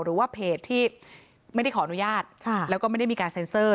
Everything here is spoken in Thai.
หรือว่าเพจที่ไม่ได้ขออนุญาตแล้วก็ไม่ได้มีการเซ็นเซอร์